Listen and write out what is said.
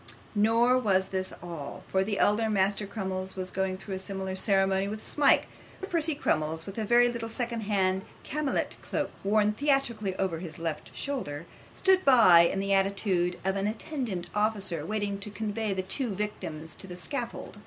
Nor was this all, for the elder Master Crummles was going through a similar ceremony with Smike; while Master Percy Crummles, with a very little second hand camlet cloak, worn theatrically over his left shoulder, stood by, in the attitude of an attendant officer, waiting to convey the two victims to the scaffold.